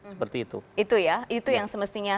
seperti itu itu ya itu yang semestinya